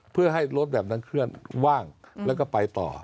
เพื่อให้รถแบบนั้นเคลื่อนว่างแล้วก็ไปต่อ